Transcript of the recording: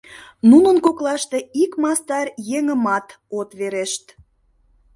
Нунын коклаште ик мастар еҥымат от верешт.